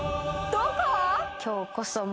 どこ？